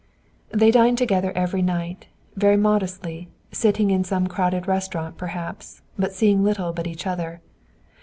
They dined together every night, very modestly, sitting in some crowded restaurant perhaps, but seeing little but each other.